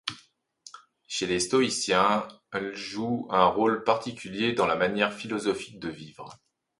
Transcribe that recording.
Chez les stoïciens, l' joue un rôle particulier dans la manière philosophique de vivre.